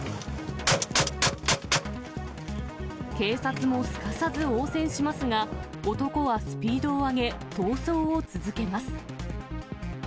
警察もすかさず応戦しますが、男はスピードを上げ、逃走を続けます。